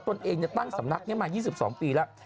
ตนเองตั้งสำนักนี้มา๒๒ปีแล้ว